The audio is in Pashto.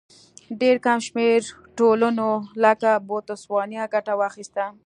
ډېر کم شمېر ټولنو لکه بوتسوانیا ګټه واخیسته.